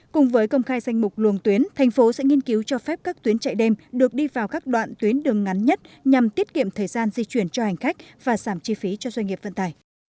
cùng với công khai danh mục luồng tuyến thành phố sẽ nghiên cứu cho phép các tuyến chạy đêm được đi vào các đoạn tuyến đường ngắn nhất nhằm tiết kiệm thời gian di chuyển cho hành khách và giảm chi phí cho doanh nghiệp vận tải